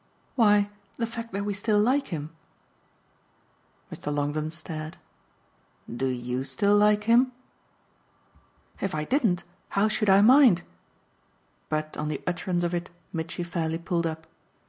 "Why the fact that we still like him." Mr. Longdon stared. "Do YOU still like him?" "If I didn't how should I mind ?" But on the utterance of it Mitchy fairly pulled up.